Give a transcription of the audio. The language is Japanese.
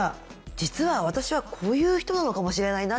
実は私はこういう人なのかもしれないなっていうのが。